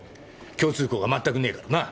共通項が全くねえからな。